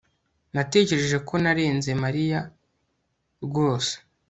Natekereje ko narenze Mariya rwose